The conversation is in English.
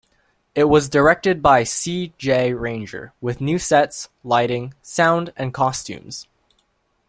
It was directed by C. Jay Ranger, with new sets, lighting, sound and costumes.